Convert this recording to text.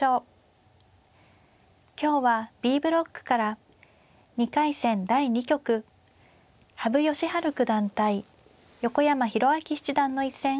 今日はＢブロックから２回戦第２局羽生善治九段対横山泰明七段の一戦をお送りします。